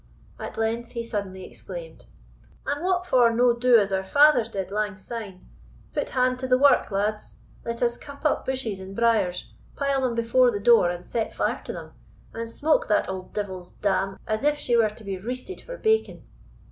At length he suddenly exclaimed, "And what for no do as our fathers did lang syne? Put hand to the wark, lads. Let us cut up bushes and briers, pile them before the door and set fire to them, and smoke that auld devil's dam as if she were to be reested for bacon."